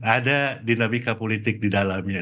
ada dinamika politik di dalamnya